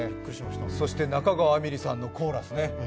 そして中川絵美里さんのコーラスね。